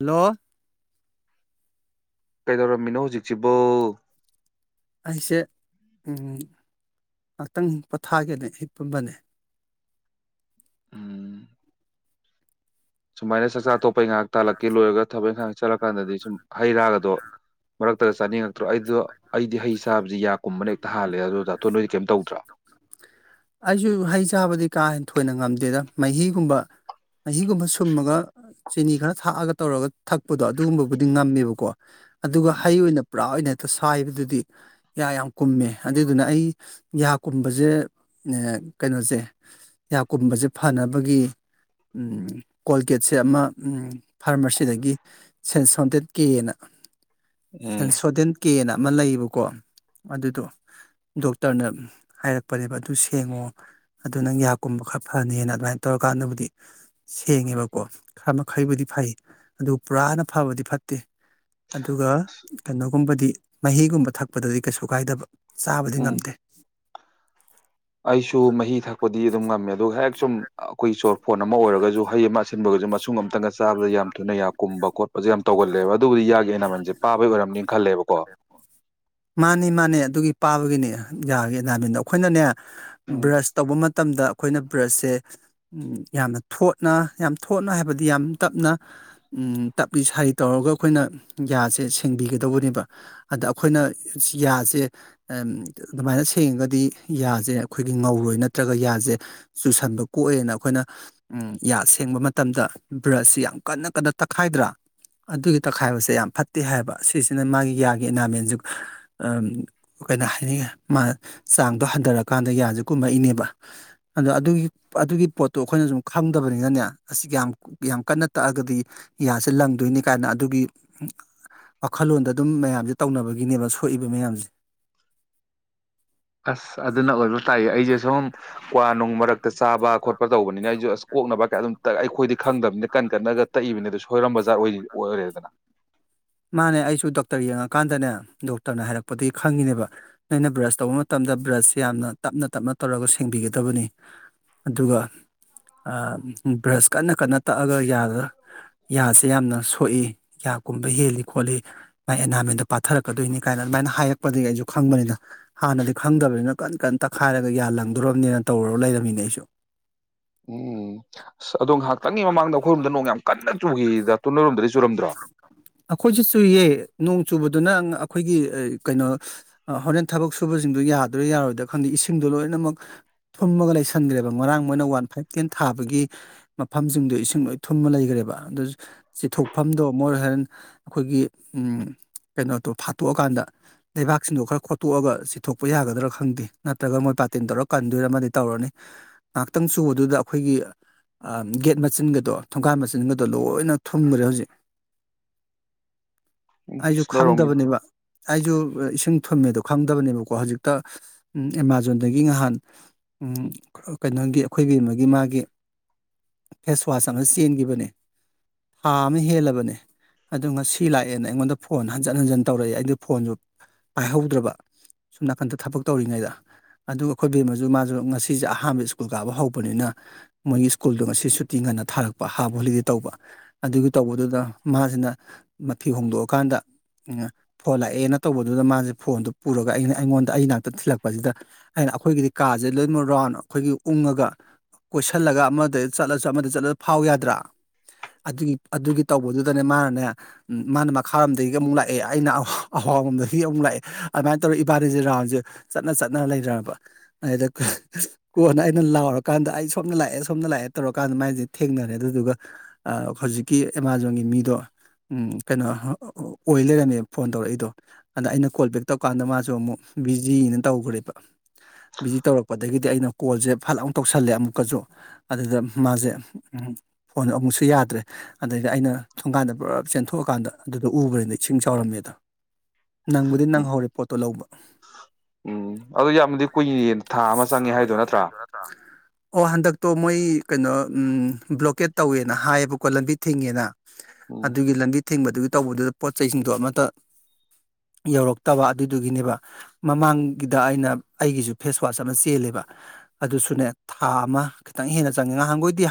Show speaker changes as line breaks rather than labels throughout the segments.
Hello
ꯀꯩꯗꯧꯔꯝꯃꯤꯅꯣ ꯍꯧꯖꯤꯛꯁꯤꯕꯣ
ꯑꯩꯁꯦ ꯉꯍꯥꯛꯇꯪ ꯄꯣꯊꯥꯒꯦꯅꯦ ꯍꯤꯄꯝꯕꯅꯦ
ꯁꯨꯃꯥꯏꯅ ꯆꯥꯛꯆꯥ ꯇꯣꯛꯄꯩ ꯉꯥꯏꯍꯥꯛ ꯇꯥꯜꯂꯛꯀꯤ ꯂꯣꯏꯔꯒ ꯊꯕꯛ ꯏꯪꯈꯥꯡ ꯆꯠꯂꯀꯥꯟꯗꯗꯤ ꯁꯨꯝ ꯍꯩ ꯔꯥꯒꯗꯣ ꯃꯔꯛꯇꯗ ꯆꯥꯅꯤꯡꯉꯛꯇ꯭ꯔꯣ ꯑꯩꯗꯣ ꯑꯩꯗꯤ ꯍꯩ ꯆꯥꯕꯁꯤ ꯌꯥ ꯀꯨꯝꯕꯅ ꯍꯦꯛꯇ ꯍꯥꯜꯂꯦ ꯑꯗꯨ ꯗꯥ ꯇꯣꯟ ꯅꯣꯏꯗꯤ ꯀꯩꯝ ꯇꯧꯗ꯭ꯔꯣ
ꯑꯩꯁꯨ ꯍꯩ ꯆꯥꯕꯗꯤ ꯀꯥ ꯍꯦꯟꯅ ꯊꯣꯏꯅ ꯉꯝꯗꯦꯗ ꯃꯍꯤꯒꯨꯝꯕ ꯃꯍꯤꯒꯨꯝꯕ ꯁꯨꯝꯃꯒ ꯆꯤꯅꯤ ꯈꯔ ꯊꯥꯛꯑꯒ ꯇꯧꯔꯒ ꯊꯛꯄꯗꯣ ꯑꯗꯨꯒꯨꯝꯕꯕꯨꯗꯤ ꯉꯝꯃꯦꯕꯀꯣ ꯑꯗꯨꯒ ꯍꯩ ꯑꯣꯏꯅ ꯄꯨꯔꯥ ꯑꯣꯏꯅ ꯇ ꯁꯥꯏꯕꯗꯨꯗꯤ ꯌꯥ ꯌꯥꯝ ꯀꯨꯝꯃꯦ ꯑꯗꯨꯏꯗꯨꯅ ꯑꯩ ꯌꯥ ꯀꯨꯝꯕꯁꯦ ꯀꯩꯅꯣꯁꯦ ꯌꯥ ꯀꯨꯝꯕꯁꯦ ꯐꯅꯕꯒꯤ ꯀꯣꯜꯒꯦꯠ ꯁꯦ ꯑꯃ ꯐꯥꯔꯃꯥꯁꯤꯗꯒꯤ ꯁꯦꯟ ꯁꯣꯟꯇꯦꯠ ꯀꯦꯅ
ꯎꯝ
ꯁꯦꯟꯁꯣꯗꯦꯟ ꯀꯦꯅ ꯑꯃ ꯂꯩꯌꯦꯕꯀꯣ ꯑꯗꯨꯗꯣ ꯗꯣꯛꯇꯔꯅ ꯍꯥꯏꯔꯛꯄꯅꯦꯕ ꯑꯗꯨ ꯁꯦꯡꯉꯣ ꯑꯗꯨ ꯅꯪ ꯌꯥꯍꯥꯛꯀꯨꯝꯕ ꯈꯔ ꯐꯅꯤꯅ ꯑꯗꯨꯃꯥꯏꯅ ꯇꯧꯔꯀꯥꯟꯗꯕꯨꯗꯤ ꯁꯦꯡꯉꯦꯕ ꯀꯣ ꯈꯔ ꯃꯈꯩꯕꯨꯗꯤ ꯐꯩ ꯑꯗꯨꯒ ꯄꯨꯔꯥꯅ ꯐꯕꯗꯤ ꯐꯠꯇꯦ ꯑꯗꯨꯒ ꯀꯩꯅꯣꯒꯨꯝꯕꯗꯤ ꯃꯍꯤꯒꯨꯝꯕ ꯊꯛꯄꯗꯗꯤ ꯀꯩꯁꯨ ꯀꯥꯏꯗꯕ ꯆꯥꯕꯗꯤ
ꯎꯝ
ꯉꯝꯗꯦ
ꯑꯩꯁꯨ ꯃꯍꯤ ꯊꯛꯄꯗꯤ ꯑꯗꯨꯝ ꯉꯝꯃꯦ ꯑꯗꯨꯒ ꯍꯦꯛ ꯁꯨꯝ ꯑꯩꯈꯣꯏ ꯆꯣꯔ ꯐꯣꯟ ꯑꯃ ꯑꯣꯏꯔꯒꯁꯨ ꯍꯩ ꯑꯃ ꯁꯤꯟꯕꯒꯁꯨ ꯃꯁꯨꯡ ꯑꯃꯝꯇꯪꯒ ꯆꯥꯕ ꯌꯥꯝ ꯊꯨꯅ ꯌꯥ ꯀꯨꯝꯕ ꯈꯣꯠꯄꯁꯨ ꯌꯥꯝ ꯇꯧꯒꯜꯂꯦꯕ ꯑꯗꯨꯕꯨꯗꯤ ꯌꯥꯒꯤ ꯑꯦꯅꯥꯃꯦꯟꯁꯦ ꯄꯥꯕꯩ ꯑꯣꯏꯔꯝꯅꯤꯅ ꯈꯜꯂꯦꯕꯀꯣ
ꯃꯥꯅꯤ ꯃꯥꯅꯦ ꯑꯗꯨꯒꯤ ꯄꯥꯕꯒꯤꯅꯦ ꯌꯥꯒꯤ ꯑꯦꯅꯥꯃꯦꯟꯗꯣ ꯑꯩꯈꯣꯏꯅꯅꯦ ꯕ꯭ꯔꯁ ꯇꯧꯕ ꯃꯠ ꯃꯇꯝꯗ ꯑꯩꯈꯣꯏꯅ ꯕ꯭ꯔꯁꯁꯦ ꯌꯥꯝꯅ ꯊꯣꯠꯅ ꯌꯥꯝ ꯊꯣꯠꯅ ꯍꯥꯏꯕꯗꯤ ꯌꯥꯝ ꯇꯞꯅ ꯎꯝ ꯇꯞꯂꯤ ꯁꯥꯔꯤ ꯇꯧꯔꯒ ꯑꯩꯈꯣꯏꯅ ꯌꯥꯁꯦ ꯁꯦꯡꯕꯤꯒꯗꯧꯕꯅꯦꯕ ꯑꯗ ꯑꯩꯈꯣꯏꯅ ꯌꯥꯁꯦ ꯑꯗꯨꯃꯥꯏꯅ ꯁꯦꯡꯉꯒꯗꯤ ꯌꯥꯁꯦ ꯑꯩꯈꯣꯏꯒꯤ ꯉꯧꯔꯣꯏ ꯅꯠꯇ꯭ꯔꯒ ꯌꯥꯁꯦ ꯆꯨꯁꯟꯕ ꯀꯣꯛꯑꯦꯅ ꯑꯩꯈꯣꯏꯅ ꯌꯥꯁꯦ ꯊꯦꯡꯕ ꯃꯇꯝꯗ ꯕ꯭ꯔꯁꯁꯤ ꯌꯥꯝ ꯀꯟꯅ ꯀꯟꯅ ꯇꯛꯈꯥꯏꯗ꯭ꯔꯥ ꯑꯗꯨꯒꯤ ꯇꯛꯈꯥꯏꯕꯁꯦ ꯌꯥꯝ ꯐꯠꯇꯦ ꯍꯥꯏꯕ ꯁꯤꯁꯤꯅ ꯃꯥꯒꯤ ꯌꯥꯒꯤ ꯑꯦꯅꯥꯃꯦꯟꯁꯨ ꯑꯝ ꯀꯩꯅꯣ ꯍꯥꯏꯅꯤ ꯃꯥ ꯆꯥꯡꯗꯣ ꯍꯟꯊꯔꯛꯀꯥꯟꯗ ꯌꯥꯁꯦ ꯀꯨꯝꯃꯛꯏꯅꯦꯕ ꯑꯗꯣ ꯑꯗꯨꯒꯤ ꯑꯗꯨꯒꯤ ꯄꯣꯠꯇꯣ ꯑꯩꯈꯣꯏꯅ ꯁꯨꯝ ꯈꯪꯗꯕꯅꯤꯅꯅꯦ ꯑꯁꯤ ꯌꯥꯝ ꯌꯥꯝ ꯀꯟꯅ ꯇꯛꯑꯒꯗꯤ ꯌꯥꯁꯦ ꯂꯪꯗꯣꯏꯅꯤ ꯀꯥꯏꯅ ꯑꯗꯨꯒꯤ ꯋꯥꯈꯜꯂꯣꯟꯗ ꯑꯗꯨꯝ ꯃꯌꯥꯝꯁꯦ ꯇꯧꯅꯕꯒꯤꯅꯦꯕ ꯁꯣꯛꯏꯕ ꯃꯌꯥꯝꯁꯦ
ꯑꯁ ꯑꯗꯨꯅ ꯑꯣꯏꯕ ꯇꯥꯏꯌꯦ ꯑꯩꯁꯦ ꯁꯨꯝ ꯀ꯭ꯋꯥ ꯅꯨꯡ ꯃꯔꯛꯇ ꯆꯥꯕ ꯈꯣꯠꯄ ꯇꯧꯕꯅꯤꯅ ꯑꯩꯁꯨ ꯑꯁ ꯀꯣꯛꯅꯕ ꯑꯗꯨꯝ ꯇꯥꯌ ꯑꯩꯈꯣꯏꯗꯤ ꯈꯪꯗꯕꯅꯤ ꯀꯟ ꯀꯟꯅꯒ ꯇꯛꯏꯕꯅꯦ ꯑꯗꯨ ꯁꯣꯏꯔꯝ ꯕꯖꯥꯔ ꯑꯣꯏ ꯑꯣꯏꯔꯦꯗꯅ
ꯃꯥꯅꯦ ꯑꯩꯁꯨ ꯗꯣꯛꯇꯔ ꯌꯦꯡꯉꯀꯥꯟꯗꯅꯦ ꯗꯣꯛꯇꯔꯅ ꯍꯥꯏꯔꯛꯄꯗꯒꯤ ꯈꯪꯉꯤꯅꯦꯕ ꯑꯩꯅꯥ ꯕ꯭ꯔꯁ ꯇꯧꯕ ꯃꯇꯝꯗ ꯕ꯭ꯔꯁꯁꯦ ꯌꯥꯝꯅ ꯇꯞꯅ ꯇꯞꯅ ꯇꯧꯔꯒ ꯁꯦꯡꯕꯤꯒꯗꯕꯅꯤ ꯑꯗꯨꯒ ꯕ꯭ꯔꯁ ꯀꯟꯅ ꯀꯟꯅ ꯇꯛꯑꯒ ꯌꯥꯗ ꯌꯥꯁꯦ ꯌꯥꯝꯅ ꯁꯣꯛꯏ ꯌꯥ ꯀꯨꯝꯕ ꯍꯦꯜꯂꯤ ꯈꯣꯠꯂꯤ ꯃꯥꯏ ꯑꯦꯅꯥꯏꯟꯃꯦꯟꯗꯣ ꯄꯥꯊꯔꯛꯀꯗꯣꯏꯅꯤ ꯀꯥꯏꯅ ꯑꯗꯨꯃꯥꯏꯅ ꯍꯥꯏꯔꯛꯄꯗꯒꯤ ꯑꯩꯁꯨ ꯈꯪꯕꯅꯤꯅ ꯍꯥꯟꯅꯗꯤ ꯈꯪꯗꯕꯅꯤꯅ ꯀꯟ ꯀꯟꯅ ꯇꯛꯈꯥꯏꯔꯒ ꯌꯥꯜꯂꯪꯗꯣꯔꯔꯕꯅꯤꯅ ꯇꯧꯔꯨꯔ ꯂꯩꯔꯝꯃꯤꯅꯦ ꯑꯩꯁꯨ
ꯎꯝ ꯑꯁ ꯑꯗꯣ ꯉꯥꯏꯍꯥꯛꯇꯪꯒꯤ ꯃꯃꯥꯡꯗ ꯑꯩꯈꯣꯏꯔꯣꯝꯗ ꯅꯣꯡ ꯌꯥꯝ ꯀꯟꯅ ꯆꯨꯒꯤꯌ ꯗꯥꯇꯣꯟ ꯇꯨꯂꯔꯣꯝꯗꯗꯤ ꯆꯨꯔꯝꯗ꯭ꯔꯣ
ꯑꯩꯈꯣꯏꯁꯦ ꯆꯨꯏꯌꯦ ꯅꯣꯡ ꯆꯨꯕꯗꯨꯅ ꯑꯩꯈꯣꯏꯒꯤ ꯀꯩꯅꯣ ꯍꯣꯔꯦꯟ ꯊꯕꯛ ꯁꯨꯕꯁꯤꯡꯗꯣ ꯌꯥꯗ꯭ꯔꯥ ꯌꯥꯔꯣꯏꯗ꯭ꯔꯥ ꯈꯪꯗꯦ ꯏꯁꯤꯡꯗꯣ ꯂꯣꯏꯅꯃꯛ ꯊꯨꯝꯃꯒ ꯂꯩꯁꯟꯈ꯭ꯔꯦꯕ ꯉꯔꯥꯡ ꯃꯣꯏꯅ ꯋꯥꯟ ꯐꯥꯏꯚ ꯇꯦꯟ ꯊꯥꯕꯒꯤ ꯃꯐꯝꯁꯤꯡꯗꯣ ꯏꯁꯤꯡ ꯂꯣꯏ ꯊꯨꯝꯃ ꯂꯩꯈ꯭ꯔꯦꯕ ꯑꯗꯨ ꯆꯤꯊꯣꯛꯐꯝꯗꯣ ꯃꯣꯔ ꯍꯣꯔꯦꯟ ꯑꯩꯈꯣꯏꯒꯤ ꯀꯩꯅꯣꯗꯣ ꯐꯥꯠꯇꯣꯛꯑꯀꯥꯟꯗ ꯂꯩꯕꯥꯛꯁꯤꯡꯗꯣ ꯈꯔ ꯈꯣꯠꯇꯣꯛꯑꯒ ꯆꯤꯊꯣꯛꯄ ꯌꯥꯒꯗ꯭ꯔꯥ ꯈꯪꯗꯦ ꯅꯠꯇ꯭ꯔꯒ ꯃꯣꯏ ꯄꯥꯇꯦꯟ ꯇꯧꯔ ꯀꯟꯗꯣꯏꯔꯃ ꯇꯧꯔꯅꯤ ꯉꯥꯏꯍꯥꯛꯇꯪ ꯆꯨꯕꯗꯨꯗ ꯑꯩꯈꯣꯏꯒꯤ ꯒꯦꯠ ꯃꯆꯤꯟꯒꯗꯣ ꯊꯣꯡꯒꯥꯥꯟ ꯃꯆꯤꯟꯒꯗꯣ ꯂꯣꯏꯅ ꯊꯨꯝꯈ꯭ꯔꯦ ꯍꯧꯖꯤꯛ
ꯎꯝ
ꯑꯩꯁꯨ
ꯑꯁ ꯅꯣꯏꯔꯣꯝꯒꯤꯗꯤ
ꯈꯪꯗꯕꯅꯦꯕ ꯑꯩꯁꯨ ꯏꯁꯤꯡ ꯊꯨꯝꯃꯦꯗꯣ ꯈꯪꯗꯕꯅꯦꯕꯀꯣ ꯍꯧꯖꯤꯛꯇ ꯑꯦꯃꯥꯖꯣꯟꯗꯒꯤ ꯉꯍꯥꯟ ꯀꯩꯅꯣꯒꯤ ꯑꯩꯈꯣꯏꯕꯤ ꯑꯃꯒꯤ ꯃꯥꯒꯤ ꯐꯦꯁꯋꯥꯁ ꯑꯃ ꯆꯦꯟꯒꯤꯕꯅꯦ ꯊꯥ ꯑꯃ ꯍꯦꯜꯂꯕꯅꯦ ꯑꯗꯨ ꯉꯁꯤ ꯂꯥꯛꯑꯦꯅ ꯑꯩꯉꯣꯟꯗ ꯐꯣꯟ ꯍꯟꯖꯤꯟ ꯍꯟꯖꯤꯟ ꯇꯧꯔꯛꯏꯦ ꯑꯩꯗ ꯐꯣꯟꯁꯨ ꯄꯥꯏꯍꯧꯗ꯭ꯔꯕ ꯁꯨꯝ ꯅꯥꯀꯟꯗ ꯊꯕꯛ ꯇꯧꯔꯤꯉꯩꯗ ꯑꯗꯨꯒ ꯑꯩꯈꯣꯏ ꯕꯦꯝꯃꯁꯨ ꯃꯥꯁꯨ ꯉꯁꯤꯁꯦ ꯑꯍꯥꯟꯕ ꯁ꯭ꯀꯨꯜ ꯀꯥꯕ ꯍꯧꯕꯅꯤꯅ ꯃꯣꯏꯒꯤ ꯁ꯭ꯀꯨꯜꯗꯣ ꯉꯁꯤ ꯁꯨꯇꯤ ꯉꯟꯅ ꯊꯥꯔꯛꯄ ꯍꯥꯕ ꯍꯣꯂꯤꯗꯦ ꯇꯧꯕ ꯑꯗꯨꯒꯤ ꯇꯧꯕꯗꯨꯗ ꯃꯥꯁꯤꯅ ꯃꯊꯤ ꯍꯣꯡꯗꯣꯛꯑꯀꯥꯟꯗ ꯐꯣꯜ ꯂꯛꯑꯦꯅ ꯇꯧꯕꯗꯨꯗ ꯃꯥꯁꯦ ꯐꯣꯟꯗꯨ ꯄꯨꯔꯒ ꯑꯩꯅ ꯑꯩꯉꯣꯟꯗ ꯑꯩ ꯅꯥꯛꯇ ꯊꯤꯜꯂꯛꯄꯁꯤꯗ ꯑꯩꯅ ꯑꯩꯈꯣꯏꯒꯤꯗꯤ ꯀꯥꯔꯠ ꯖꯥꯂꯦꯃꯥ ꯔꯥꯎꯟ ꯑꯩꯈꯣꯏꯒꯤ ꯎꯡꯉꯒ ꯀꯣꯏꯁꯤꯜꯂꯒ ꯑꯃꯗ ꯆꯠꯂꯁꯨ ꯑꯃꯗ ꯆꯠꯂꯁꯨ ꯐꯥꯎ ꯌꯥꯗ꯭ꯔꯥ ꯑꯗꯨꯒꯤ ꯑꯗꯨꯒꯤ ꯇꯧꯕꯗꯨꯗꯅꯦ ꯃꯥꯅꯅꯦ ꯃꯥꯅ ꯃꯈꯥꯔꯣꯝꯗꯒꯤ ꯑꯃꯨꯛ ꯂꯥꯛꯑꯦ ꯑꯩꯅ ꯑꯋꯥꯕꯝꯗꯒꯤ ꯑꯃꯨꯛ ꯂꯥꯛꯑꯦ ꯑꯗꯨꯃꯥꯏꯅ ꯇꯧꯔ ꯏꯕꯥꯅꯤꯁꯦ ꯔꯥꯎꯟꯁꯦ ꯆꯠꯅ ꯆꯠꯅ ꯂꯩꯔꯔꯕ ꯑꯗ ꯀꯣꯟꯅ ꯑꯩꯅ ꯂꯥꯎꯔꯀꯥꯟꯗ ꯑꯩ ꯁꯣꯝꯅ ꯂꯥꯛꯑꯦ ꯁꯣꯝꯅ ꯂꯥꯛꯑꯦ ꯇꯧꯔꯀꯥꯟꯗ ꯃꯥꯏꯁꯦ ꯊꯦꯡꯅꯔꯦ ꯑꯗꯨꯗꯨꯒ ꯍꯧꯖꯤꯛꯀꯤ ꯑꯦꯃꯥꯖꯣꯟꯒꯤ ꯃꯤꯗꯣ ꯀꯩꯅꯣ ꯑꯣꯏ ꯂꯩꯔꯝꯃꯦꯕ ꯐꯣꯟ ꯇꯧꯔꯛꯏꯗꯣ ꯑꯗ ꯑꯩꯅ ꯀꯣꯜ ꯕꯦꯛ ꯇꯧꯔꯀꯥꯟꯗ ꯃꯥꯁꯨ ꯑꯃꯨꯛ ꯕꯤꯖꯤꯅ ꯇꯧꯈ꯭ꯔꯦꯕ ꯕꯤꯖꯤ ꯇꯧꯔꯛꯄꯗꯒꯤꯗꯤ ꯑꯩꯅ ꯀꯣꯜꯁꯦ ꯐꯠ ꯑꯃꯨꯛ ꯇꯧꯁꯜꯂꯦ ꯑꯃꯨꯛꯀꯁꯨ ꯑꯗꯨꯗ ꯃꯥꯁꯦ ꯐꯣꯟ ꯑꯃꯨꯛꯁꯨ ꯌꯥꯗ꯭ꯔꯦ ꯑꯗꯒꯤ ꯑꯩꯅ ꯊꯣꯡꯀꯥꯟꯗ ꯄꯨꯔꯥ ꯆꯦꯟꯊꯣꯛꯑꯀꯥꯟꯗ ꯑꯗꯨꯗꯣ ꯎꯕ꯭ꯔꯅꯤ ꯏꯁꯤꯡ ꯆꯥꯎꯥꯎꯔꯝꯃꯦꯗ ꯅꯪꯕꯨꯗꯤ ꯅꯪ
ꯎꯝ
ꯍꯧꯔꯦ ꯄꯣꯠꯇꯣ ꯂꯧꯕ
ꯎꯝ ꯑꯗꯨ ꯌꯥꯝꯅꯗꯤ ꯀꯨꯏꯌꯦ ꯊꯥ ꯑꯃ ꯍꯥꯏꯗꯣ
ꯆꯪꯉꯦ
ꯅꯠꯇ꯭ꯔꯥ
ꯍꯥꯏꯠꯇ꯭ꯔ ꯑꯣ ꯍꯟꯗꯛꯇꯣ ꯃꯣꯏ ꯀꯩꯅꯣ ꯕ꯭ꯂꯣꯀꯦꯠ ꯇꯧꯋꯦꯅ ꯍꯥꯏꯌꯦꯕꯀꯣ ꯂꯝꯕꯤ ꯊꯤꯡꯉꯦꯅ
ꯎꯝ
ꯑꯗꯨꯒꯤ ꯂꯝꯕꯤ ꯊꯤꯡꯕꯗꯨꯒꯤ ꯇꯧꯕꯗꯨꯗ ꯄꯣꯠ ꯆꯩꯁꯤꯡꯗꯣ ꯑꯃꯠꯇ ꯌꯧꯔꯛꯇꯕ ꯑꯗꯨꯗꯨꯒꯤꯅꯦꯕ ꯃꯃꯥꯡꯒꯤꯗ ꯑꯩꯅ ꯑꯩꯒꯤꯁꯨ ꯐꯦꯁꯋꯥꯁ ꯑꯃ ꯆꯦꯜꯂꯦꯕ ꯑꯗꯨꯁꯨꯅꯦ ꯊꯥ ꯑꯃ ꯈꯤꯇꯪ ꯍꯦꯟꯅ ꯆꯪꯉꯦ ꯉꯍꯥꯟꯈꯣꯏꯗꯤ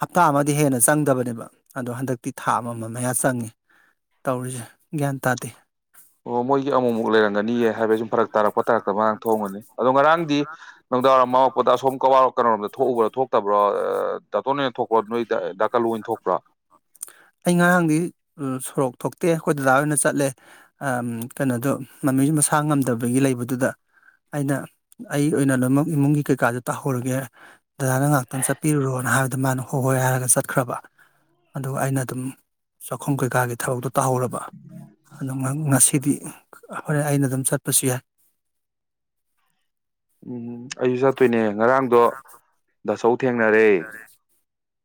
ꯍꯞꯇꯥ ꯑꯃꯗꯤ ꯍꯦꯟꯅ ꯆꯪꯗꯕꯅꯦꯕ ꯑꯗꯣ ꯍꯟꯗꯛꯇꯤ ꯊꯥ ꯑꯃ ꯑꯃ ꯑꯃ ꯃꯌꯥ ꯆꯪꯉꯤ ꯇꯧꯔꯤꯁꯦ ꯒ꯭ꯌꯥꯟ ꯇꯥꯗꯦ
ꯑꯣ ꯃꯣꯏꯒꯤ ꯑꯃꯨꯛꯃꯨꯛ ꯂꯩꯔꯝꯒꯅꯤꯌꯦ ꯍꯥꯏꯕ ꯁꯨꯝ ꯐꯔꯛ ꯇꯥꯔꯛꯄ ꯇꯥꯔꯛꯇꯕ ꯉꯔꯥꯡ ꯊꯣꯡꯒꯅꯤ ꯑꯗꯣ ꯉꯔꯥꯡꯗꯤ ꯅꯨꯡꯗꯥꯡꯋꯥꯏꯔꯝ ꯑꯃꯔꯛꯄꯗ ꯑꯁꯣꯝ ꯀꯋꯥꯔ ꯀꯩꯅꯔꯣꯝꯗ ꯊꯣꯛꯎꯕ꯭ꯔꯣ ꯊꯣꯛꯇꯕ꯭ꯔꯣ ꯇꯥꯇꯣꯟ ꯍꯥꯛ ꯊꯣꯛ ꯅꯣꯏ ꯗꯥꯀꯜꯂꯨ ꯑꯣꯏꯅ ꯊꯣꯛꯄ꯭ꯔꯣ
ꯑꯩ ꯉꯔꯥꯡꯗꯤ ꯁꯣꯔꯣꯛ ꯊꯣꯛꯇꯦ ꯑꯩꯈꯣꯏ ꯗꯗꯥ ꯑꯣꯏꯅ ꯆꯠꯂꯦ ꯀꯩꯅꯣꯗꯣ ꯃꯃꯤꯁꯨ ꯃꯁꯥ ꯉꯝꯗꯕꯒꯤ ꯂꯩꯕꯗꯨꯗ ꯑꯩꯅ ꯑꯩ ꯑꯣꯏꯅ ꯂꯣꯏꯅꯃꯛ ꯏꯃꯨꯡꯒꯤ ꯀꯩꯀꯥꯗ ꯇꯥꯍꯧꯔꯒꯦ ꯗꯗꯥꯅ ꯉꯥꯏꯍꯥꯛꯇꯪ ꯆꯠꯄꯤꯔꯨꯔꯣꯅ ꯍꯥꯏꯕꯗ ꯃꯥꯅ ꯍꯣꯏ ꯍꯣꯏ ꯍꯥꯏꯔꯒ ꯆꯠ ꯈ꯭ꯔꯕ ꯑꯗꯨꯒ ꯑꯩꯅ ꯑꯗꯨꯝ ꯆꯥꯛꯈꯨꯝ ꯀꯩꯀꯥꯒꯤ ꯊꯕꯛꯇꯣ ꯇꯥꯍꯧꯔꯕ ꯑꯗꯨ ꯉꯁꯤꯗꯤ ꯍꯣꯔꯦꯟ ꯑꯩꯅ ꯑꯗꯨꯝ ꯆꯠꯄꯁꯨ ꯌꯥꯏ
ꯎꯝꯝ ꯑꯩꯁꯨ ꯆꯠꯇꯣꯏꯅꯦ ꯉꯔꯥꯡꯗꯣ ꯍꯥꯆꯧ ꯊꯦꯡꯅꯔꯦ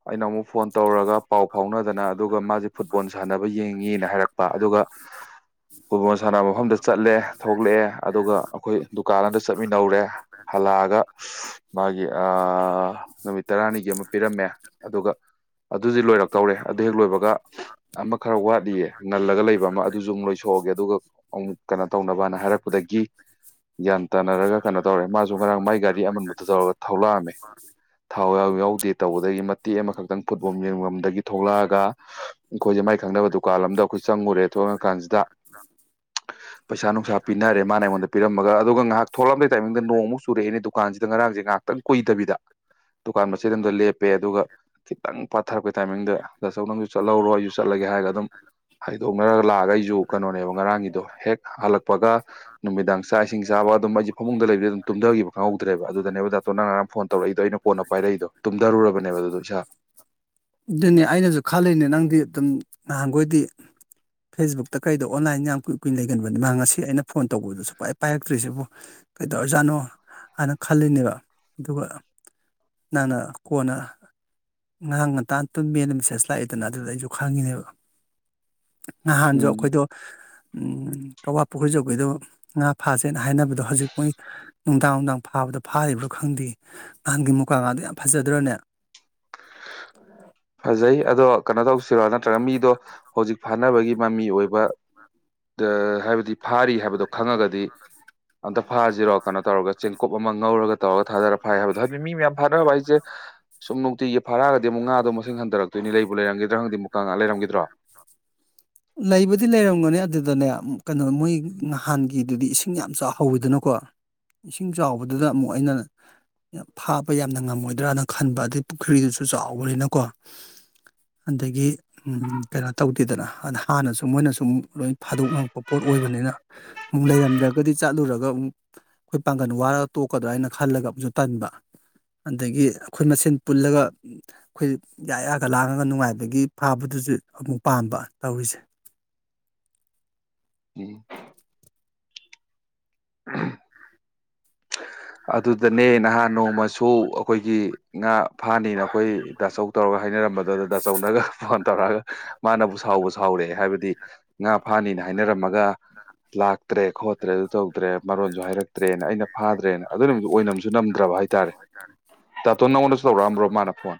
ꯑꯩꯅ ꯑꯃꯨꯛ ꯐꯣꯟ ꯇꯧꯔꯒ ꯄꯥꯎ ꯐꯥꯎꯅꯗꯅ ꯑꯗꯨꯒ ꯃꯥꯁꯦ ꯐꯨꯠꯕꯣꯜ ꯁꯥꯟꯅꯕ ꯌꯦꯡꯉꯤꯅ ꯍꯥꯏꯔꯛꯄ ꯑꯗꯨꯒ ꯐꯨꯠꯕꯣꯜ ꯁꯥꯟꯅꯕ ꯃꯐꯝꯗ ꯆꯠꯂꯦ ꯊꯣꯛꯂꯛꯑꯦ ꯑꯗꯨꯒ ꯑꯩꯈꯣꯏ ꯗꯨꯀꯥꯟ ꯑꯃꯗ ꯆꯠꯃꯤꯟꯔꯨꯔꯦ ꯍꯜꯂꯛꯑꯒ ꯃꯥꯒꯤ ꯑ ꯑ ꯑ ꯑ ꯅꯨꯃꯤꯠ ꯇꯔꯥꯅꯤꯒꯤ ꯑꯃ ꯄꯤꯔꯝꯃꯦ ꯑꯗꯨꯒ ꯑꯗꯨꯗꯤ ꯂꯣꯏꯔꯛꯇꯧꯔꯦ ꯑꯗꯨ ꯍꯦꯛ ꯂꯣꯏꯕꯒ ꯑꯃ ꯈꯔ ꯋꯥꯠꯂꯤꯌꯦ ꯅꯜꯂꯒ ꯂꯩꯕ ꯑꯃ ꯑꯗꯨꯁꯨ ꯑꯃꯨꯛ ꯂꯣꯏꯊꯣꯛꯑꯒꯦ ꯑꯗꯨꯒ ꯑꯃꯨꯛ ꯀꯩꯅꯣ ꯇꯧꯅꯕꯅ ꯍꯥꯏꯔꯛꯄꯗꯒꯤ ꯒ꯭ꯌꯥꯟ ꯇꯥꯅꯔꯒ ꯀꯩꯅꯣ ꯃꯥꯁꯨ ꯉꯔꯥꯡ ꯃꯥꯏ ꯒꯥꯔꯤ ꯑꯃꯟꯕꯗꯨ ꯇꯧꯔꯒ ꯊꯣꯛ ꯂꯛꯑꯝꯃꯦ ꯊꯥꯎ ꯌꯥꯎ ꯌꯥꯎꯗꯦ ꯇꯧꯕꯗꯒꯤ ꯃꯇꯦꯛ ꯑꯃꯈꯛꯇ ꯐꯨꯠꯕꯣꯝ ꯌꯦꯡꯐꯝꯗꯒꯤ ꯊꯣꯛꯂꯛꯑꯒ ꯑꯩꯈꯣꯏꯁꯦ ꯃꯥꯏ ꯈꯪꯗꯅꯕ ꯗꯨꯀꯥꯟ ꯑ ꯑꯃꯗ ꯑꯩꯈꯣꯏ ꯆꯪꯉꯨꯔꯦ ꯊꯣꯛꯉꯀꯥꯟꯁꯤꯗ ꯄꯩꯁꯥ ꯅꯨꯡꯁꯥ ꯄꯤꯅꯔꯦ ꯃꯥꯅ ꯑꯩꯉꯣꯟꯗ ꯄꯤꯔꯝꯃꯒ ꯑꯗꯨꯒ ꯉꯥꯏꯍꯥꯛ ꯊꯣꯛꯂꯝ ꯇꯥꯏꯃꯤꯡꯗ ꯅꯣꯡꯃꯨꯛ ꯆꯨꯔꯛꯑꯦꯅꯦ ꯗꯨꯀꯥꯟꯁꯤꯗ ꯉꯔꯥꯡꯁꯦ ꯉꯥꯏꯍꯥꯛꯇꯪ ꯀꯨꯏꯗꯕꯤꯗ ꯗꯨꯀꯥꯟ ꯃꯆꯦꯗ ꯑꯃꯝꯗ ꯂꯦꯞꯄꯦ ꯑꯗꯨꯒ ꯈꯤꯇꯪ ꯄꯥꯊꯛꯄ ꯇꯥꯏꯃꯤꯡꯗ ꯗꯥ ꯆꯧ ꯅꯝꯁꯨ ꯆꯠꯍꯧꯔꯣꯏ ꯑꯩ ꯆꯠꯂꯒꯦ ꯍꯥꯏꯔꯒ ꯑꯗꯨꯝ ꯍꯥꯏꯗꯣꯛꯅꯔꯒ ꯂꯥꯛꯑꯒ ꯑꯩꯁꯨ ꯀꯩꯅꯣꯅꯦꯕ ꯉꯔꯥꯡꯒꯤꯗꯣ ꯍꯦꯛ ꯍꯜꯂꯛꯄꯒ ꯅꯨꯃꯤꯗꯥꯡ ꯆꯥꯛ ꯏꯁꯤꯡ ꯆꯥꯕ ꯑꯗꯨꯝ ꯑꯩꯁ ꯐꯃꯨꯡꯗ ꯂꯩꯕꯗ ꯑꯗꯨꯝ ꯇꯨꯝꯊꯈꯤꯕ ꯈꯪꯍꯧꯗ꯭ꯔꯦꯕ ꯑꯗꯨꯗꯅꯦꯕ ꯗꯥꯛꯇꯣ ꯅꯪ ꯉꯔꯥꯡ ꯐꯣꯟ ꯇꯧꯔꯛꯏꯗꯣ ꯑꯩꯅ ꯀꯣꯟꯅ ꯄꯥꯏꯔꯛꯏꯗꯣ ꯇꯨꯝꯊꯔꯨꯔꯕꯅꯦꯕ ꯑꯗꯨꯗꯣ ꯏꯁꯥ
ꯑꯗꯨꯅꯦ ꯑꯩꯅꯁꯨ ꯈꯜꯂꯤꯅꯦ ꯅꯪꯗꯤ ꯑꯗꯨꯝ ꯅꯍꯥꯟꯈꯣꯏꯗꯤ ꯐꯦꯁꯕꯨꯛꯇ ꯀꯩꯗꯣ ꯑꯣꯟꯂꯥꯏꯟ ꯌꯥꯝ ꯀꯨꯏ ꯀꯨꯏ ꯂꯩꯒꯟꯕꯅꯤ ꯃꯍꯥꯛ ꯉꯁꯤ ꯑꯩꯅ ꯐꯣꯟ ꯇꯧꯕꯗ ꯁꯨꯄꯥꯏ ꯄꯥꯏꯔꯛꯇ꯭ꯔꯤꯁꯤꯕꯨ ꯀꯩꯗꯧꯔꯖꯥꯠꯅꯣ ꯍꯥꯏꯅ ꯈꯜꯂꯤꯅꯦꯕ ꯑꯗꯨꯒ ꯅꯪꯅ ꯀꯣꯟꯅ ꯉꯍꯥꯡ ꯉꯇꯇꯝ ꯃꯦꯜꯗ ꯃꯦꯁꯦꯖ ꯂꯥꯛꯑꯦꯗꯅ ꯑꯗꯨꯗ ꯑꯩꯁꯨ ꯈꯪꯉꯤꯅꯦꯕ ꯅꯍꯥꯟꯁꯨ
ꯎꯝ
ꯑꯩꯈꯣꯏꯗꯣ ꯀꯋꯥ ꯄꯨꯈ꯭ꯔꯤꯁꯨ ꯑꯩꯈꯣꯏꯗꯣ ꯉꯥ ꯐꯥꯥꯁꯦꯅ ꯍꯥꯏꯅꯕꯗꯣ ꯍꯧꯖꯤꯛ ꯃꯣꯏ ꯅꯨꯡꯗꯥꯡ ꯅꯨꯡꯗꯥꯡ ꯐꯥꯕꯗꯣ ꯐꯥꯔꯤꯕ꯭ꯔꯥ ꯈꯪꯗꯦ ꯅꯍꯥꯟꯒꯤ ꯃꯨꯀꯥ ꯉꯥꯗꯣ ꯌꯥꯝ ꯐꯖꯗ꯭ꯔꯅꯦ
ꯐꯖꯩ ꯑꯗꯣ ꯀꯩꯅꯣ ꯇꯧꯁꯤꯔꯣ ꯅꯠꯇ꯭ꯔꯒ ꯃꯤꯗꯣ ꯍꯧꯖꯤꯛ ꯐꯥꯅꯕꯒꯤ ꯃꯃꯤ ꯑꯣꯏꯕ ꯍꯥꯏꯕꯗꯤ ꯐꯥꯔꯤ ꯍꯥꯏꯕꯗꯣ ꯈꯪꯉꯒꯗꯤ ꯗꯤ ꯑꯝꯇ ꯐꯥꯁꯤꯔꯣ ꯀꯩꯅꯣ ꯇꯧꯔꯒ ꯆꯦꯡꯀꯨꯞ ꯑꯃ ꯉꯧꯔꯒ ꯇꯣ ꯊꯥꯖꯔ ꯐ ꯍꯥꯏꯕꯗꯣ ꯍꯥꯏꯗꯤ ꯃꯤ ꯃꯌꯥꯝ ꯐꯥꯔꯕ ꯑꯩꯁꯦ ꯁꯨꯝ ꯅꯨꯡꯇꯤꯒꯤ ꯐꯥꯔꯛꯑꯒꯗꯤ ꯑꯃꯨꯛ ꯉꯥꯗꯣ ꯃꯁꯤꯡ ꯃꯁꯤꯡ ꯍꯟꯊꯔꯛꯇꯣꯏꯅꯤ ꯂꯩꯕꯨ ꯂꯩꯔꯝꯒꯗ꯭ꯔꯥ ꯈꯪꯗꯤ ꯃꯨꯀꯥ ꯉꯥꯛ ꯂꯩꯔꯝꯈꯤꯗ꯭ꯔꯣ
ꯂꯩꯕꯗꯤ ꯂꯩꯔꯝꯒꯅꯤ ꯑꯗꯨꯗꯅꯦ ꯀꯩꯅꯣ ꯃꯣꯏ ꯅꯍꯥꯟꯒꯤꯗꯨꯗꯤ ꯏꯁꯤꯡ ꯌꯥꯝ ꯆꯥꯎꯍꯧꯋꯤꯗꯅꯀꯣ ꯏꯁꯤꯡ ꯆꯥꯎꯕꯗꯨꯗ ꯑꯃꯨꯛ ꯑꯩꯅ ꯐꯥꯕ ꯌꯥꯝꯅ ꯉꯝꯃꯣꯏꯗ꯭ꯔꯅ ꯈꯟꯕ ꯑꯗꯩ ꯄꯨꯈ꯭ꯔꯤꯗꯨꯁꯨ ꯆꯥꯎꯕꯅꯤꯅꯀꯣ ꯑꯗꯒꯤ ꯀꯩꯅꯣ ꯇꯧꯗꯦꯗꯅ ꯍꯥꯟꯅꯁꯨ ꯃꯣꯏꯅꯁꯨ ꯑꯃꯨꯛ ꯂꯣꯏ ꯐꯥꯗꯣꯛ ꯉꯛꯄ ꯄꯣꯠ ꯑꯣꯏꯕꯅꯤꯅ ꯑꯃꯨꯛ ꯂꯩꯔꯝꯗ꯭ꯔꯒꯗꯤ ꯆꯠꯂꯨꯔꯒ ꯑꯃꯨꯛ ꯑꯩꯈꯣꯏ ꯄꯥꯡꯒꯜ ꯋꯥꯔꯒ ꯇꯣꯛꯀꯗ꯭ꯔꯥ ꯍꯥꯏꯅ ꯈꯜꯂꯒ ꯇꯟꯕ ꯑꯗꯒꯤ ꯑꯩꯈꯣꯏ ꯃꯁꯦꯟ ꯄꯨꯜꯂꯒ ꯑꯩꯈꯣꯏ ꯌꯥꯌꯥꯒ ꯂꯥꯡꯉꯒ ꯅꯨꯡꯉꯥꯏꯕꯒꯤ ꯐꯥꯕꯗꯨꯁꯨ ꯑꯃꯨꯛ ꯄꯥꯝꯕ ꯇꯧꯔꯤꯁꯦ
ꯎꯝ [inaudible] ꯑꯗꯨꯗꯅꯦ ꯅꯍꯥꯟ ꯅꯣꯡꯃꯁꯨ ꯑꯩꯈꯣꯏꯒꯤ ꯉꯥ ꯐꯥꯅꯤꯅ ꯑꯩꯈꯣꯏ ꯗꯥꯆꯧ ꯇꯧꯔꯒ ꯍꯥꯏꯅꯔꯝꯕꯗꯨꯗ ꯗꯥꯆꯧꯅꯒ ꯐꯣꯟ ꯇꯧꯔꯛꯑꯒ ꯃꯥꯅꯕꯨ ꯁꯥꯎꯕ ꯁꯥꯎꯔꯛꯑꯦ ꯍꯥꯏꯕꯗꯤ ꯉꯥ ꯐꯥꯅꯤꯅ ꯍꯥꯏꯅꯔꯝꯃꯒ ꯂꯥꯛꯇ꯭ꯔꯦ ꯈꯣꯠꯇ꯭ꯔꯦ ꯑꯗꯨ ꯇꯧꯗ꯭ꯔꯦ ꯃꯔꯣꯟꯁꯨ ꯍꯥꯏꯔꯛꯇ꯭ꯔꯦꯅ ꯑꯩꯅ ꯐꯥꯗ꯭ꯔꯦꯅ ꯣꯏꯅ ꯑꯣꯏꯅꯝꯁꯨ ꯅꯝꯗ꯭ꯔꯕ ꯍꯥꯏꯇꯥꯔꯦ ꯇꯥꯇꯣꯟ ꯅꯪꯉꯣꯟꯗꯁꯨ ꯇꯧꯔꯛꯑꯝꯕ꯭ꯔꯣ ꯃꯥꯅ ꯐꯣꯟ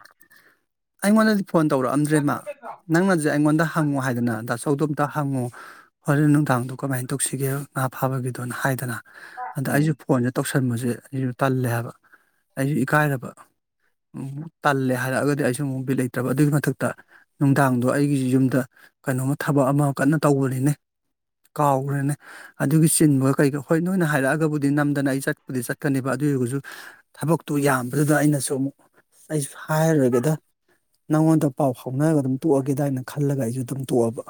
ꯑꯩꯉꯣꯟꯗꯗꯤ ꯐꯣꯟ ꯇꯧꯔꯛꯑꯝꯗ꯭ꯔꯦ ꯃꯥ ꯅꯪꯅꯁꯨ ꯑꯩꯉꯣꯟꯗ ꯍꯪꯉꯨ ꯍꯥꯏꯗꯅ ꯑ ꯆꯧꯗꯣꯝꯇ ꯍꯪꯉꯨ ꯍꯣꯔꯦꯟ ꯅꯨꯡꯗꯥꯡꯗꯣ ꯀꯃꯥꯏꯅ ꯇꯧꯁꯤꯒꯦ ꯉꯥ ꯐꯥꯕꯒꯤꯗꯣꯅ ꯍꯥꯏꯗꯅ ꯑꯗ
ꯎꯝ
ꯑꯩꯁꯨꯦ ꯐꯣꯟꯁꯦ ꯇꯧꯁꯤꯦ ꯊꯟꯕꯁꯦ ꯑꯩꯁꯨ ꯇꯜꯂꯦ ꯍꯥꯏꯕ ꯑꯩꯁꯨ ꯏꯀꯥꯏꯔꯕ ꯇꯜꯂꯦ ꯍꯥꯏꯔꯛꯑꯒꯗꯤ ꯑꯩꯁꯨ ꯑꯃꯨꯛ ꯕꯤꯠ ꯂꯩꯇ꯭ꯔꯕ ꯑꯗꯨꯒꯤ ꯃꯊꯛꯇ ꯅꯨꯡꯗꯥꯡꯗꯣ ꯑꯩꯒꯤꯁꯤ ꯌꯨꯝꯗ ꯀꯩꯅꯣꯝꯃ ꯊꯕꯛ ꯑꯃ ꯀꯟꯅ ꯇꯧꯕꯅꯤꯅꯦ ꯀꯥꯎꯈ꯭ꯔꯦꯅꯦ ꯑꯗꯨꯒꯤ ꯆꯤꯟꯕꯒ ꯀꯩꯒ ꯍꯣꯏ ꯅꯣꯏꯅ ꯍꯥꯏꯔꯛꯑꯒꯕꯨꯗꯤ ꯅꯝꯗꯅ ꯑꯩ ꯆꯠꯄꯗꯤ ꯆꯠꯀꯅꯦꯕ ꯑꯗꯨ ꯑꯣꯏꯔꯒꯁꯨ ꯊꯕꯛꯇꯨ ꯌꯥꯝꯕꯗꯨꯗ ꯑꯩꯅꯁꯨ ꯑꯃꯨꯛ ꯑꯩꯁꯨ ꯍꯥꯏꯔꯨꯔꯒꯦꯗ ꯅꯪꯉꯣꯟꯗ ꯄꯥꯎ ꯐꯥꯎꯅꯔꯒ ꯑꯗꯨꯝ ꯇꯣꯛꯑꯒꯦꯗꯅ ꯈꯜꯂꯒ ꯑꯩꯁꯨ ꯑꯗꯨꯝ ꯇꯣꯛꯑꯕ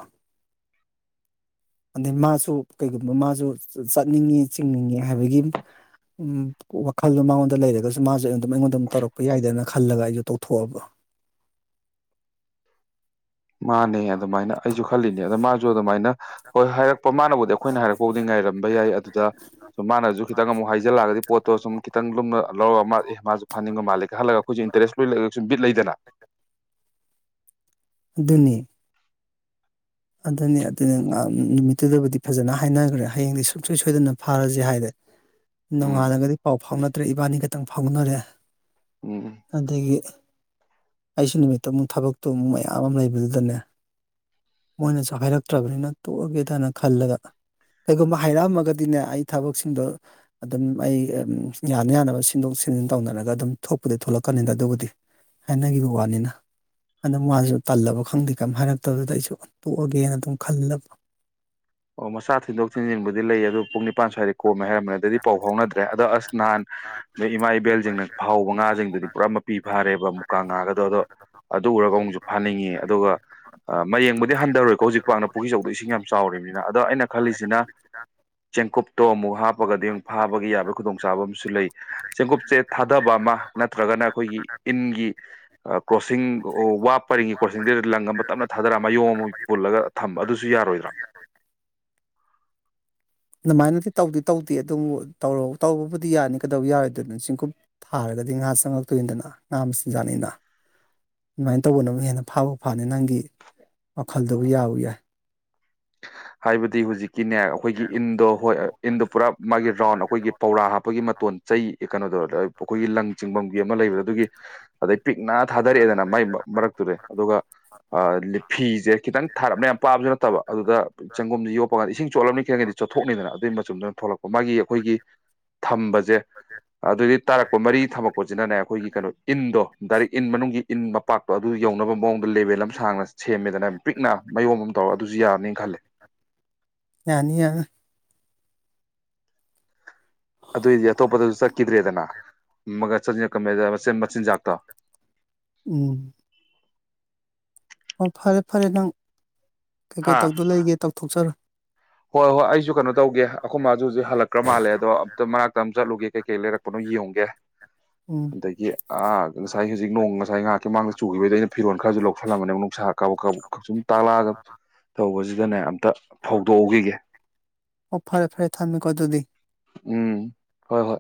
ꯑꯗꯩ ꯃꯥꯁꯨ ꯀꯩꯒꯨꯝꯕ ꯃꯥꯁꯨ ꯆꯠꯅꯤꯡꯉꯤ ꯆꯤꯡꯅꯤꯡꯉꯤ ꯍꯥꯏꯕꯒꯤ ꯎ ꯋꯥꯈꯜꯗꯣ ꯃꯉꯣꯟꯗ ꯂꯩꯔꯒꯁꯨ ꯃꯥꯁꯦꯝ ꯑꯩꯉꯣꯟꯗꯝꯧꯔꯛꯄ ꯌꯥꯏꯗꯅ ꯈꯜꯂ ꯑꯩꯁꯨ ꯇꯧ ꯊꯣꯛꯣꯛꯑꯕ
ꯃꯥꯅꯦ ꯑꯗꯨꯃꯥꯏꯅ ꯑꯩꯁꯨ ꯈꯜꯂꯤꯅꯦ ꯑꯗꯣ ꯃꯥꯁꯨ ꯑꯗꯨꯃꯥꯏꯅ ꯍꯣꯏ ꯍꯥꯏꯔꯛꯄ ꯃꯥꯅꯕꯨꯗꯤ ꯑꯩꯈꯣꯏꯅ ꯍꯥꯏꯔꯛꯄꯕꯨꯥꯎꯗꯤ ꯉꯥꯏꯔꯝꯕ ꯌꯥꯏ ꯑꯗꯨꯗ ꯁ ꯃꯥꯅꯁꯨ ꯈꯤꯇꯪ ꯑꯃꯨꯛ ꯍꯥꯏꯖꯤꯜꯂꯛꯑꯒꯗꯤ ꯄꯣꯠꯇꯣ ꯁꯨꯝ ꯈꯤꯇꯪ ꯂꯨꯝꯅ ꯂꯧꯔꯒ ꯃꯥ ꯑꯦ ꯃꯥꯁꯨ ꯐꯥꯅꯤꯡꯕ ꯃꯥꯜꯂꯦꯒ ꯈꯜꯂꯒ ꯑꯩꯈꯣꯏꯁꯨ ꯏꯟꯇꯔꯦꯁ ꯂꯣꯏ ꯂꯩꯒ ꯁꯨꯝ ꯕꯤꯠ ꯂꯩꯗꯅ
ꯑꯗꯨꯅꯤ ꯑꯗꯨꯅꯤ ꯑꯗꯨꯅꯤ ꯅꯨꯃꯤꯠꯇꯨꯗꯕꯨꯗꯤ ꯐꯖꯅ ꯍꯥꯏꯅꯈ꯭ꯔꯦ ꯍꯌꯦꯡꯗꯤ ꯁꯨꯡꯁꯣꯏ ꯁꯣꯏꯗꯅ ꯐꯥꯔꯁꯦ ꯍꯥꯏꯔꯦ
ꯎꯝ
ꯅꯣꯡꯉꯥꯜꯂꯒꯗꯤ ꯄꯥꯎ ꯐꯥꯎꯅꯗ꯭ꯔꯦ ꯏꯕꯥꯅꯤ ꯈꯛꯇꯪ ꯐꯥꯎꯅꯔꯦ
ꯎꯝ
ꯑꯗꯒꯤ ꯑꯩꯁꯨ ꯅꯨꯃꯤꯠꯇ ꯑꯃꯨꯛ ꯊꯕꯛꯇꯨ ꯑꯃꯨꯛ ꯃꯌꯥꯝ ꯑꯃ ꯂꯩꯕꯗꯨꯗꯅꯦ ꯃꯣꯏꯅꯁꯨ ꯍꯥꯏꯔꯛꯇ꯭ꯔꯕꯅꯤꯅ ꯇꯣꯛꯑꯒꯦꯗꯅ ꯈꯜꯂꯒ ꯀꯩꯒꯨꯝꯕ ꯍꯥꯏꯔꯛꯑꯝꯃꯒꯗꯤꯅꯦ ꯑꯩ ꯊꯕꯛꯁꯤꯡꯗꯣ ꯑꯗꯨꯝ ꯑꯩ ꯌꯥꯅ ꯌꯥꯅꯕ ꯁꯤꯟꯗꯣꯛ ꯁꯤꯖꯤꯟ ꯇꯧꯅꯔꯒ ꯑꯗꯨꯝ ꯊꯣꯛꯄꯗꯤ ꯊꯣꯛꯂꯛꯀꯅꯤꯗ ꯑꯗꯨꯕꯨꯗꯤ ꯍꯥꯏꯅꯒꯤꯈꯤꯕ ꯋꯥꯅꯤꯅ ꯑꯗꯨꯗ ꯃꯥꯁꯨ ꯇꯜꯂꯕ ꯈꯪꯗꯦ ꯀꯩꯝ ꯍꯥꯏꯔꯛꯇꯕꯗꯨꯗ ꯑꯩꯁꯨ ꯄꯣꯛꯑꯒꯦꯅ ꯑꯗꯨꯝ ꯈꯜꯂꯕ
ꯑꯣ ꯃꯆꯥ ꯊꯤꯟꯗꯣꯛ ꯊꯤꯟꯖꯤꯟꯕꯨꯗꯤ ꯂꯩ ꯑꯗꯨ ꯄꯨꯡ꯫ ꯅꯤꯄꯥꯟ ꯁ꯭ꯋꯥꯏꯗꯩ ꯀꯣꯝꯃꯦ ꯍꯥꯏꯔꯝꯝꯕꯅꯤ ꯑꯗꯩꯗꯤ ꯄꯥꯎ ꯐꯥꯎꯅꯗ꯭ꯔꯦ ꯑꯗꯣ ꯑꯁ ꯅꯍꯥꯟ ꯅꯣꯏ ꯏꯃꯥ ꯏꯕꯦꯜꯁꯤꯡꯅ ꯐꯥꯍꯧꯕ ꯉꯥꯁꯤꯡꯗꯨꯗꯤ ꯄꯨꯔꯥ ꯃꯄꯤ ꯐꯥꯔꯦꯕ ꯃꯨꯀꯥ ꯉꯥꯒꯗꯣ ꯑꯗꯣ ꯑꯗꯨ ꯎꯔꯒ ꯑꯃꯨꯛꯁꯨ ꯐꯥꯅꯤꯡꯉꯦ ꯑꯗꯨꯒ ꯃꯌꯦꯡꯕꯨꯗꯤ ꯍꯟꯊꯔꯣꯏꯀꯣ ꯍꯧꯖꯤꯛ ꯄꯅ ꯄꯨꯈ꯭ꯔꯤ ꯆꯧꯗꯣ ꯏꯁꯤꯡ ꯌꯥꯝ ꯆꯥꯎꯔꯤꯕꯅꯤ꯫ ꯑꯗꯣ ꯑꯩꯅ ꯈꯜꯂꯤꯁꯤꯅ ꯆꯦꯡꯀꯨꯞꯇꯣ꯫ ꯑꯃꯨꯛ ꯍꯥꯞꯄꯒꯗꯤ ꯑꯃꯨꯛ ꯐꯥꯕꯒꯤ ꯌꯥꯕꯒꯤ ꯈꯨꯗꯣꯡꯆꯥꯕ ꯑꯃꯁꯨ ꯂꯩ ꯆꯦꯡꯒꯨꯞꯁꯦ ꯊꯥꯗꯕ ꯑꯃ ꯅꯠꯇ꯭ꯔꯒꯅ ꯑꯩꯈꯣꯏꯒꯤ ꯏꯟꯒꯤ ꯀ꯭ꯔꯣꯁꯤꯡ ꯋꯥ ꯄꯔꯤꯡꯒꯤ ꯀ꯭ꯔꯣꯁꯤꯡꯗꯨ ꯂꯪ ꯑꯃ ꯇꯞꯅ ꯊꯥꯗꯔ ꯃꯥꯏꯌꯣꯡ ꯑꯃꫭꯏꯅ ꯄꯨꯜꯂꯒ ꯊꯝꯕ ꯑꯗꯨꯁꯨ ꯌꯥꯔꯣꯏꯗ꯭ꯔꫭ꯫
ꯑꯗꯨꯃꯥꯏꯅꯗꯤ ꯇꯧꯗꯤ ꯇꯧꯗꯦ ꯑꯗꯨꯕꯨ ꯇꯧꯔ ꯇꯧꯕꯕꯨꯗꯤ ꯌꯥꯅꯤ ꯀꯩꯗꯧꯕ ꯌꯥꯔꯣꯏꯗꯨꯅ ꯆꯤꯡꯀꯨꯞ ꯊꯥꯔꯒꯗꯤ ꯉꯥ ꯆꯪꯉꯛꯇꯣꯏꯅꯤꯗꯅ ꯉꯥ ꯃꯆꯤꯟꯖꯥꯛꯅꯤꯅ ꯑꯗꯨꯃꯥꯏꯅ ꯇꯧꯕꯅ ꯑꯃꯨꯛ ꯍꯦꯟꯅ ꯐꯥꯕ ꯐꯥꯅꯤ ꯅꯪꯒꯤ ꯋꯥꯈꯜꯗꯕꯨ ꯌꯥꯎ ꯌꯥꯏ
ꯍꯥꯏꯕꯗꯤ ꯍꯨꯖꯤꯛꯀꯤꯅꯦ ꯑꯈꯣꯏꯒꯤ ꯏꯟꯗꯣ ꯍꯣꯏ ꯏꯟꯗꯣ ꯄꯨꯔꯥ ꯃꯥꯒꯤ ꯔꯥꯎꯟ ꯑꯈꯣꯏꯒꯤ ꯄꯧꯔꯥ ꯍꯥꯞꯄꯒꯤ ꯃꯇꯣꯟ ꯆꯩ ꯀꯩꯅꯣꯗꯣ ꯑꯈꯣꯏꯒꯤ ꯂꯪ ꯆꯤꯡꯕꯝꯒꯤ ꯑꯃ ꯂꯩꯕꯗꫭ ꯑꯗꯨꯒꯤ ꯑꯗꯩ ꯄꯤꯛꯅ ꯊꯥꯗꯔꯛꯑꯦꯗꯅ ꯃꯥꯏ ꯃꯔꯛꯇꯨꯗ ꯑꯗꯨꯒ ꯐꯤꯁꯦ ꯈꯤꯇꯪ ꯊꯥꯔꯞꯅ ꯌꯥꯝ ꯄꯥꯕꯁꯨ ꯅꯠꯇꯕ꯫ ꯑꯗꯨꯗ꯫ ꯆꯪꯒꯨꯝꯗꫭ ꯌꯣꯞꯄ ꯀꯥꯟꯗ ꯏꯁꯤꯡ ꯆꯣꯠꯂꯝꯅꯤ ꯈꯔꯒꯗꯤ ꯆꯣꯠꯊꯣꯛꯅꯤꯗꯅ ꯑꯗꯨꯏ ꯃꯆꯨꯝꯗꯨꯅ ꯊꯣꯛꯂꯛꯄ ꯃꯥꯒꯤ ꯑꯩꯈꯣꯏꯒꯤ ꯊꯝꯕꯁꯦ ꯑꯗꯨꯗꯩ ꯇꯥꯔꯛꯄ ꯃꯔꯤ ꯊꯝꯃꯛꯄꯁꯤꯅꯅꯦ ꯑꯈꯣꯏꯒꯤ ꯀꯩꯅꯣ ꯏꯟꯗꯣ ꯗꯥꯏꯔꯦꯛ ꯏꯟ ꯃꯅꯨꯡꯒꯤ ꯏꯟ ꯃꯄꯥꯛꯇꯣ ꯑꯗꯨ ꯌꯧꯅꯕ ꯃꯑꯣꯡꯗ ꯂꯦꯚꯦꯜ ꯑꯃ ꯁꯥꯡꯅ ꯁꯦꯝꯃꯦꯗꯅ ꯄꯤꯛꯅ ꯃꯥꯌꯣꯝ ꯑꯃ ꯇꯧꯔ ꯑꯗꯨꯁꯨ ꯌꯥꯔꯅꯤ ꯈꯜꯂꯦ꯫꯫
ꯌꯥꯅꯤ ꯌꯥꯅꯤ꯫
ꯑꯗꯨꯏꯗꯤ ꯑꯇꯣꯞꯄꯗꯁꯨ ꯆꯠꯈꯤꯗ꯭ꯔꯦꯗꯅ [unintelligible] [unintelligible] ꯀꯃꯦꯟꯗ ꯃꯆꯤꯟ ꯃꯆꯤꯟꯖꯒꯇꫭ꯫
ꯎꯝ ꯑꯣ ꯐꯔꯦ ꯐꯔꯦ ꯅꯪ꯫ ꯀꯩꯀꯩ
ꯍꯥꯥ
ꯇꯧꯗꯨ ꯂꯩꯒꯦ ꯇꯧꯊꯣꯛꯆꯔꫭ꯫
ꯍꯣꯏ ꯍꯣꯏ ꯑꯩꯁꯨ ꯀꯩꯅꯣ ꯇꯧꯒꯦ ꯑꯈꯣꯏ ꯃꯥꯁꯨ ꯍꯧꯖꯤꯛ ꯍꯜꯂꯛꯈ꯭ꯔ ꯃꯥꯜꯂꯦ ꯑꯗꯣ ꯑꯝꯇ ꯃꯅꯥꯛꯇ ꯑꯃꯇ ꯆꯠꯂꯨꯒꯦ ꯀꯩꯀꯩ ꯂꯩꯔꯛꯄꯅꯣ ꯌꯦꯡꯉꯨꯒꯦ꯫
ꯎꯝ
[unintelligible] ꯑꯗꯒꯤ ꯑꯥ ꯉꯁꯥꯏ ꯍꯧꯖꯤꯛ ꯅꯣꯡ ꯉꯁꯥꯏ ꯉꯥꯏꯍꯥꯛꯀꯤ ꯃꯥꯡꯗ ꯆꯨꯈꯤꯕꯩꯗꫭ ꯑꯩꯅ ꯐꯤꯔꯣꯜ ꯈꯔꯁꯨ ꯂꯧꯁꯤꯜꯂꯝꯃꯅꯦ ꯅꯨꯡꯁꯥ ꯀꯥꯕꯛ ꯀꯥ ꯁꯨꯝ ꯇꯥꯛꯂꯛꯑꯒ ꯇꯧꯕꯁꯤ꯫ ꯖꯅꯦ꯫ ꯇ ꯐꯧ꯫ ꯍꯧꯒꯤꯒꯦ꯫
ꯑꯣ ꯐꯔꯦ ꯐꯔꯦ ꯊꯝꯃꯦꯀꯣ ꯑꯗꯨꯗꯤ꯫
ꯎꯝ ꯍꯣꯏ ꯍꯣꯏ꯫